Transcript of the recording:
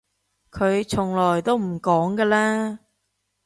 佢從來都唔講㗎啦